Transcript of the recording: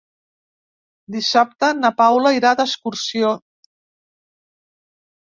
Dissabte na Paula irà d'excursió.